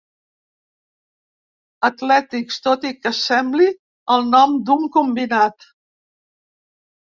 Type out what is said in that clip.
Atlètics, tot i que sembli el nom d'un combinat.